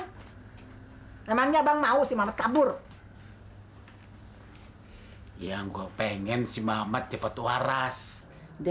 hai namanya bang mau sih mamat bawa pulang hai yang gua pengen si mamat cepet waras dia